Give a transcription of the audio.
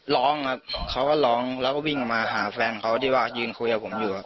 ร้องครับเขาก็ร้องแล้วก็วิ่งมาหาแฟนเขาที่ว่ายืนคุยกับผมอยู่